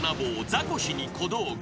ザコシに小道具］